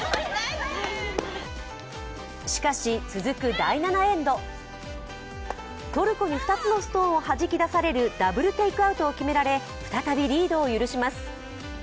しかし続く第７エンド、トルコに２つのストーンをはじき出されるダブルテイクアウトを決められ再びリードを許します。